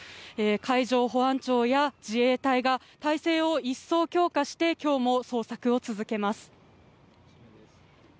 海上保安庁や自衛隊が態勢を一層強化して今日も捜索を続けます。